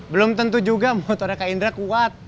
belum tentu juga motornya kak indra kuat